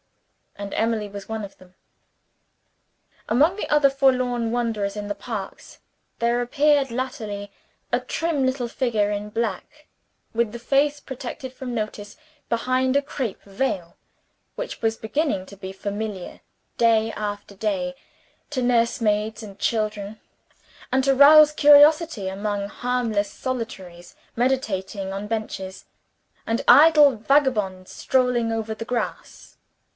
And Emily was one of them. Among the other forlorn wanderers in the Parks, there appeared latterly a trim little figure in black (with the face protected from notice behind a crape veil), which was beginning to be familiar, day after day, to nursemaids and children, and to rouse curiosity among harmless solitaries meditating on benches, and idle vagabonds strolling over the grass.